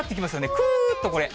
くーっとこれ。